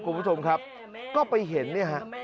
คุณผู้ชมครับก็ไปเห็นเนี่ยฮะ